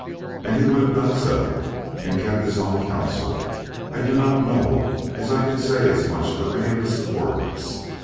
And he would have done so and kept his own counsel. I do not know as I can say as much for any of his subordinates.